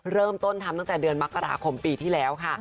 เริ่มต้นทำตั้งแต่เดือนมกราคมปีที่แล้วค่ะ